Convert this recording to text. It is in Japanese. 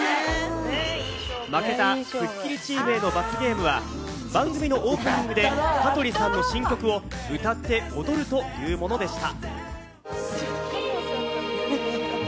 負けたスッキリチームへの罰ゲームは番組のオープニングで香取さんの新曲を歌って踊るというものでした。